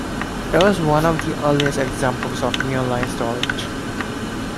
It was one of the earliest examples of nearline storage.